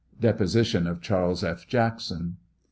Deposition of Charles F. Jackson.